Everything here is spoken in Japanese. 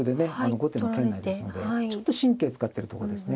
後手の圏内ですのでちょっと神経を使ってるとこですね。